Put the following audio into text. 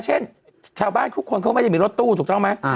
เช่นชาวบ้านทุกคนเขาไม่ได้มีรถตู้ถูกต้องไหม